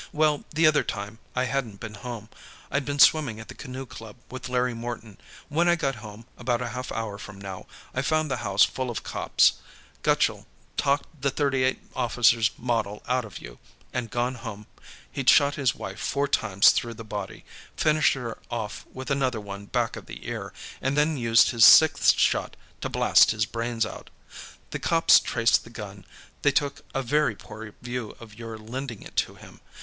"Well, the other time, I hadn't been home: I'd been swimming at the Canoe Club, with Larry Morton. When I got home, about half an hour from now, I found the house full of cops. Gutchall talked the .38 officers' model out of you, and gone home; he'd shot his wife four times through the body, finished her off with another one back of the ear, and then used his sixth shot to blast his brains out. The cops traced the gun; they took a very poor view of your lending it to him.